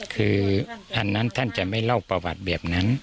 คืออันนั้นท่านจะไม่เล่าประวัติแบบนั้น